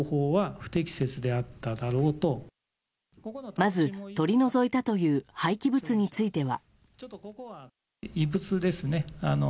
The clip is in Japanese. まず、取り除いたという廃棄物については。